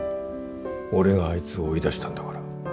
俺があいつを追い出したんだから。